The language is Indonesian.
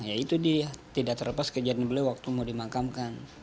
ya itu dia tidak terlepas kejadian beliau waktu mau dimakamkan